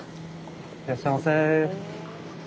・いらっしゃいませ。